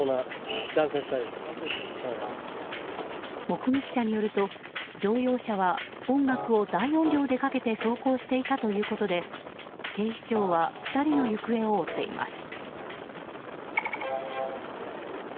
目撃者によると乗用車は音楽を大音量でかけて走行していたということで警視庁は２人の行方を追っています。